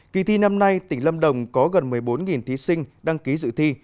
kỳ thi năm nay tỉnh lâm đồng có gần một mươi bốn thí sinh đăng ký dự thi